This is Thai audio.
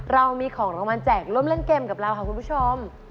เรามีของรางวัลแจกร่วมเล่นเกมกับเราค่ะคุณผู้ชม